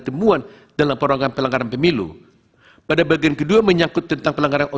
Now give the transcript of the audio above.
temuan dalam perorangan pelanggaran pemilu pada bagian kedua menyangkut tentang pelanggaran